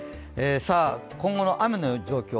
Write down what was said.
今後の雨の状況。